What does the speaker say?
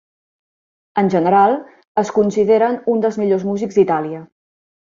En general, es consideren uns dels millors músics d'Itàlia.